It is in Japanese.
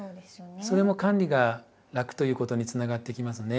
それも管理が楽ということにつながってきますね。